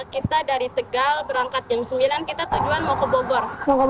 kita dari tegal berangkat jam sembilan kita tujuan mau ke bogor